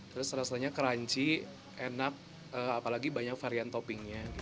terus rasanya crunchy enak apalagi banyak varian toppingnya